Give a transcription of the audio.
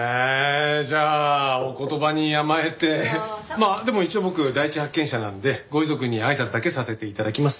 まあでも一応僕第一発見者なんでご遺族にあいさつだけさせて頂きます。